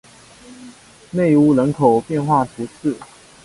内乌人口变化图示